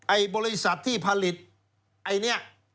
บริษัทที่ผลิตไอ้เนี่ย